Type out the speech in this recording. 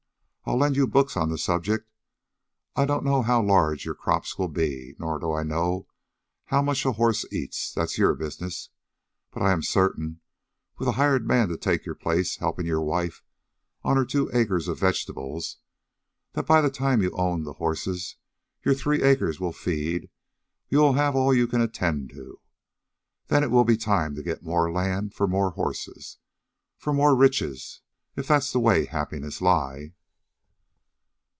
I'll lend you books on the subject. I don't know how large your crops will be, nor do I know how much a horse eats; that's your business. But I am certain, with a hired man to take your place helping your wife on her two acres of vegetables, that by the time you own the horses your three acres will feed, you will have all you can attend to. Then it will be time to get more land, for more horses, for more riches, if that way happiness lie."